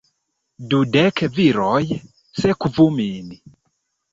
Dudek viroj sekvu min!